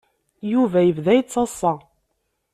Yuba yebda yettaḍsa.